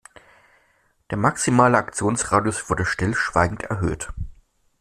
Der maximale Aktionsradius wurde stillschweigend erhöht.